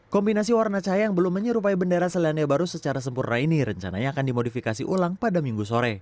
kombinasi warna cahaya yang belum menyerupai bendera selandia baru secara sempurna ini rencananya akan dimodifikasi ulang pada minggu sore